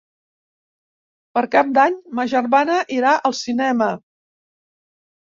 Per Cap d'Any ma germana irà al cinema.